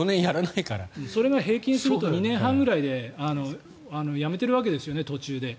それが平均すると２年半ぐらいでやめているわけですよね途中で。